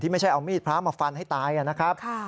ไม่ใช่เอามีดพระมาฟันให้ตายนะครับ